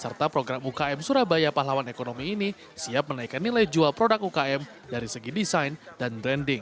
serta program ukm surabaya pahlawan ekonomi ini siap menaikkan nilai jual produk ukm dari segi desain dan branding